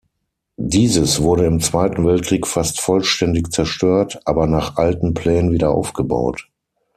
Dieses wurde im Zweiten Weltkrieg fast vollständig zerstört, aber nach alten Plänen wieder aufgebaut.